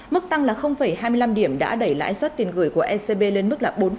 mức tăng là hai mươi năm điểm đã đẩy lãi suất tiền gửi của ecb lên mức là bốn năm